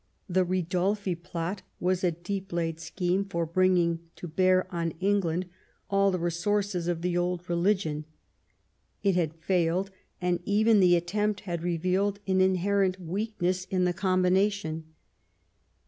The Ridolfi plot was a deep laid scheme for bringing to bear on England all the resources of the old religion. It had failed, and even the attempt had revealed an inherent weakness in the combina tion.